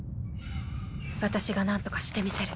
ワタシがなんとかしてみせる。